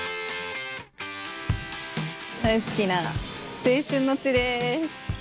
大好きな青春の地です！